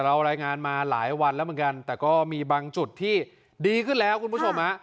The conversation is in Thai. รายงานมาหลายวันแล้วเหมือนกันแต่ก็มีบางจุดที่ดีขึ้นแล้วคุณผู้ชมฮะ